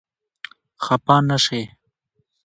خپه نه شې؟